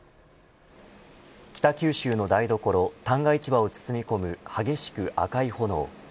北九州の台所旦過市場を包み込む激しく赤い炎。